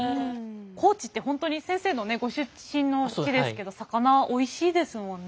高知って本当に先生のねご出身の地ですけど魚おいしいですもんね。